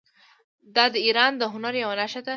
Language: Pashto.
دا د ایران د هنر یوه نښه ده.